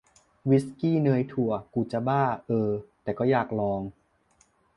วิสกี้เนยถั่ว กูจะบ้า เออ แต่ก็อยากลอง